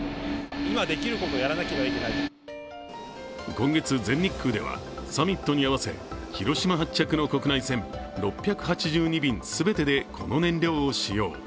今月全日空では、サミットに合わせ広島発着の国内線６８２便全てで、この燃料を使用。